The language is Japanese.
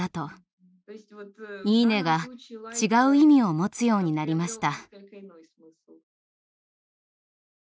「いいね」が違う意味を持つようになりました。